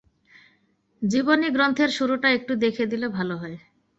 জীবনী গ্রন্থের শুরুটা একটু দেখে দিলে ভালো হয়।